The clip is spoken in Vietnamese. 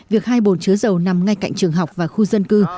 việc hai bồn chứa dầu nằm ngay cạnh trường học và khu dân cư